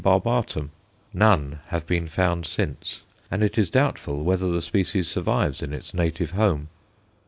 barbatum_; none have been found since, and it is doubtful whether the species survives in its native home.